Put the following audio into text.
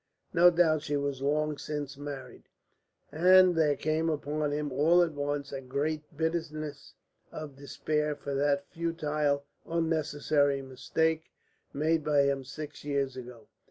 No doubt she was long since married ... and there came upon him all at once a great bitterness of despair for that futile, unnecessary mistake made by him six years ago.